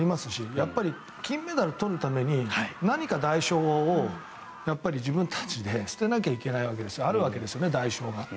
やっぱり金メダルを取るために何か代償を自分たちで捨てなきゃいけないわけですあるわけです、代償が。